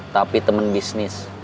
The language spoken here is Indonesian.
tapi temen bisnis